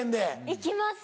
行きます。